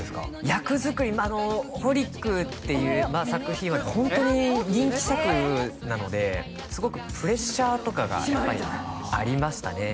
役づくりあの「ホリック」っていう作品はホントに人気作なのですごくプレッシャーとかがやっぱりありましたね